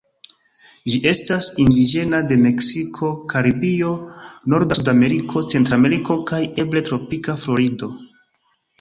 Ĝi estas indiĝena de Meksiko, Karibio, norda Sudameriko, Centrameriko kaj eble tropika Florido.